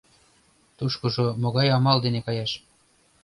Тушкыжо могай амал дене каяш?